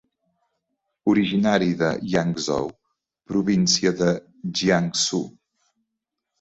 Originari de Yangzhou, província de Jiangsu.